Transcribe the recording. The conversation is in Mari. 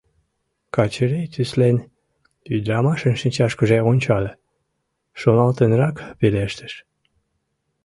Качырий тӱслен ӱдрамашын шинчашкыже ончале, шоналтенрак пелештыш: